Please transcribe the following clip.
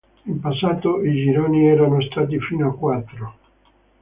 In passato i gironi erano stati fino a quattro.